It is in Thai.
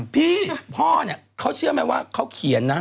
พี่พ่อเนี่ยเขาเชื่อไหมว่าเขาเขียนนะ